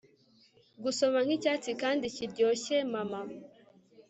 gusoma nkicyatsi kandi kiryoshye. mama